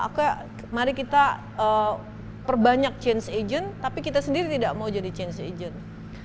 oke mari kita perbanyak change agent tapi kita sendiri tidak mau jadi change agent